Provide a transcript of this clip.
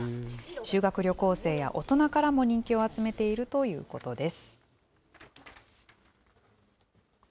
修学旅行生や大人からも人気を集めているということです。